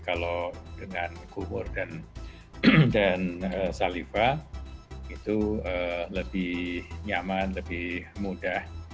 kalau dengan kumur dan saliva itu lebih nyaman lebih mudah